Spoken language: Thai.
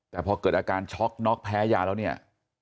แต่พอเกิดอาการช็อกน็อกแพ้ยาแล้วเนี่ย